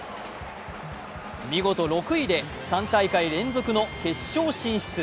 見事６位で３大会連続の決勝進出。